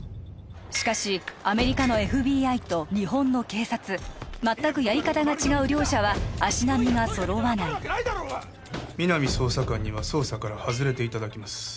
しかしアメリカのＦＢＩと日本の警察全くやり方が違う両者は足並みが揃わない皆実捜査官には捜査から外れていただきます